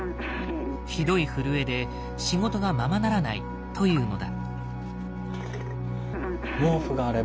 ひどい震えで仕事がままならないというのだ。